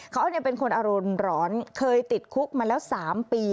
เขาเป็นคนอารมณ์ร้อนเคยติดคุกมาแล้ว๓ปี